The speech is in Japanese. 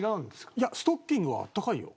いやストッキングはあったかいよ。